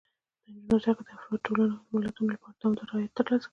د نجونو زده کړه د افرادو، ټولنو او ملتونو لپاره دوامداره عاید ترلاسه کوي.